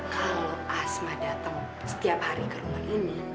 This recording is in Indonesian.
kalau asma datang setiap hari ke rumah ini